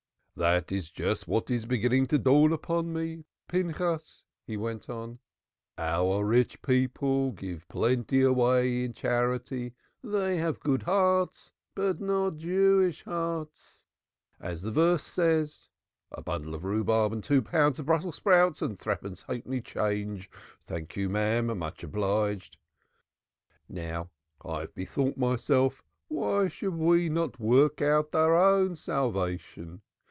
"That is just what is beginning to dawn upon me, Pinchas," he went on. "Our rich people give plenty away in charity; they have good hearts but not Jewish hearts. As the verse says, A bundle of rhubarb and two pounds of Brussels sprouts and threepence halfpenny change. Thank you. Much obliged. Now I have bethought myself why should we not work out our own salvation?